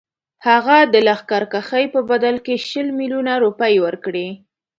هغه د لښکرکښۍ په بدل کې شل میلیونه روپۍ ورکړي.